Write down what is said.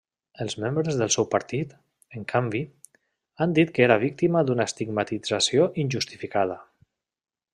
Els membres del seu partit, en canvi, han dit que era víctima d'una estigmatització injustificada.